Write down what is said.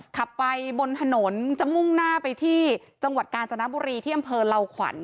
ขับไปบนถนนจะมุ่งหน้าไปที่จังหวัดกาญจนบุรีที่อำเภอเหล่าขวัญ